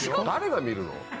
誰が見るの？